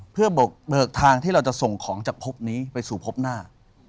เพื่อเบิกทางที่เราจะส่งของจากพบนี้ไปสู่พบหน้า